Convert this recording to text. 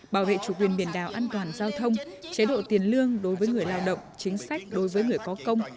bảo vệ chủ quyền biển đảo an toàn giao thông chế độ tiền lương đối với người lao động chính sách đối với người có công